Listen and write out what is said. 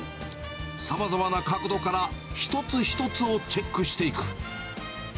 さまざまな角度から一つ一つをチェックしていく。